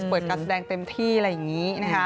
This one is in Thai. การแสดงเต็มที่อะไรอย่างนี้นะคะ